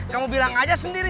kamu bilang aja sendiri